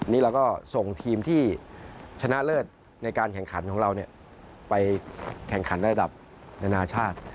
นี่เราก็ส่งทีมที่ชนะเลิศในการแข่งขันของเราไปแข่งขันระดับนานาชาติ